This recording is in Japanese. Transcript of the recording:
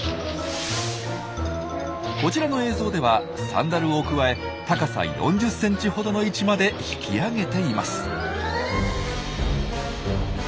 こちらの映像ではサンダルをくわえ高さ４０センチほどの位置まで引き上げています。